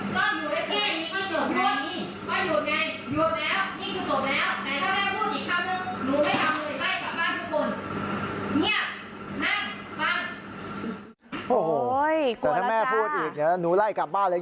แต่ถ้าแม่พูดอีกเดี๋ยวหนูไล่กลับบ้านเลย